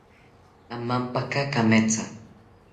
Amampaka kametha